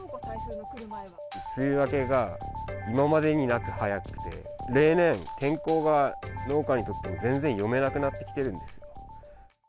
梅雨明けが今までになく早くて、例年、天候が農家にとっても全然読めなくなってきてるんです。